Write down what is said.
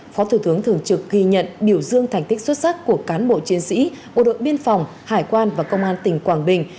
phó thủ tướng thường trực ghi nhận biểu dương thành tích xuất sắc của cán bộ chiến sĩ bộ đội biên phòng hải quan và công an tỉnh quảng bình